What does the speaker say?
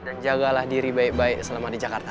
dan jagalah diri baik baik selama di jakarta